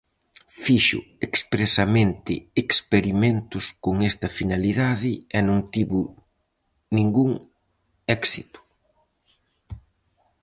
Fixo expresamente experimentos con esta finalidade e non tivo ningún éxito.